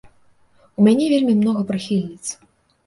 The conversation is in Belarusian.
У мяне вельмі многа прыхільніц!